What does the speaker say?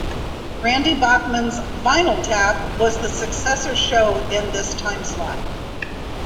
Randy Bachman's "Vinyl Tap" was the successor show in this timeslot.